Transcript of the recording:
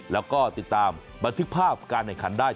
และก็ติดตามบันทึกภาพการเหนือขันได้